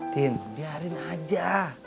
tin biarin aja